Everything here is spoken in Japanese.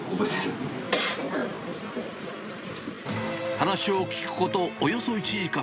話を聴くことおよそ１時間。